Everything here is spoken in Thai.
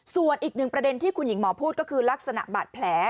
ส่วนอีกหนึ่งประเด็นที่คุณหญิงหมอพูดก็คือลักษณะบาดแผล